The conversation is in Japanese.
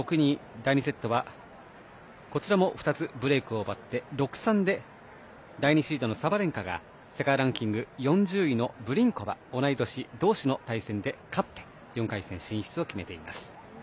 第２セットはこちらも２つブレークを奪って６−３で第２シードのサバレンカが世界ランク４０位のブリンコバ同い年同士の対戦で勝って４回戦進出を決めています。